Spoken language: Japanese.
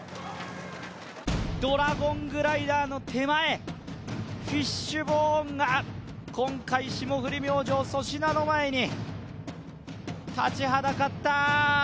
ドラゴングライダーの手前、フィッシュボーンが今回、霜降り明星・粗品の前に立ちはだかった。